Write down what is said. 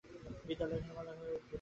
বিদ্যালয় একেবারে নির্মল হয়ে উঠবে।